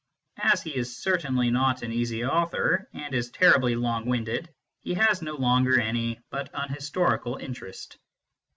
As he is certainly not an easy author, and is terribly long winded, he has no longer any but an historical interest.